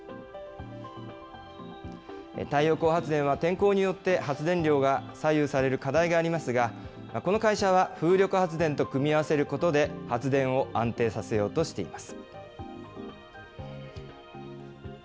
太陽光発電は天候によって発電量が左右される課題がありますが、この会社は風力発電と組み合わせることで発電を安定させようとしています。